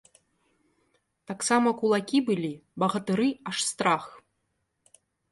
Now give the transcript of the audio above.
Таксама кулакі былі, багатыры, аж страх.